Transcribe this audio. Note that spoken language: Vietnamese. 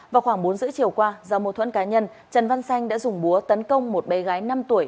vào khoảng bốn h ba mươi chiều qua do mô thuẫn cá nhân trần văn xanh đã dùng búa tấn công một bé gái năm tuổi